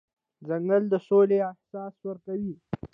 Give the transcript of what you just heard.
ځنګل د سولې احساس ورکوي.